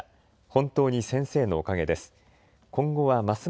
本当に先生のおかげです。